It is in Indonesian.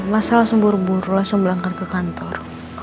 masa langsung buru buru langsung berangkat ke kantor